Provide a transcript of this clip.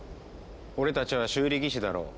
俺たちは修理技師だろう。